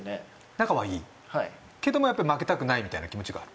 仲はいいけどもやっぱ負けたくないみたいな気持ちがある？